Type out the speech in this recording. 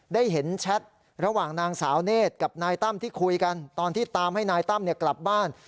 ได้เห็นแชทระหว่างนางสาวเนธกับนายตั้มที่คุยกันตอนที่ตามให้นายตั้มกลับบ้าน